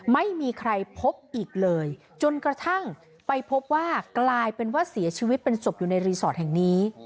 ไม่มีใครพบอีกเลยจนกระทั่งไปพบว่ากลายเป็นว่าเสียชีวิตเป็นศพอยู่ในรีสอร์ทแห่งนี้